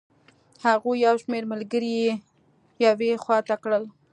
هغوی یو شمېر ملګري یې یوې خوا ته کړل.